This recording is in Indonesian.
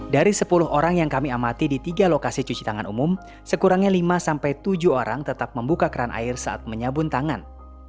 dari sepuluh orang yang kami amati di tiga lokasi cuci tangan umum sekurangnya lima sampai tujuh orang tetap membuka keran air saat menyabun tangan